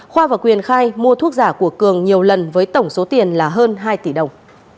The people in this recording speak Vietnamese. khoa và quyền khai mua thuốc giả của cường nhiều lần với tổng số tiền là hơn hai tỷ đồng